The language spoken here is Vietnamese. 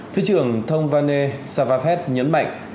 thứ trưởng thông phan nê savanfet nhấn mạnh